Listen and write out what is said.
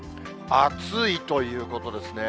暑いということですね。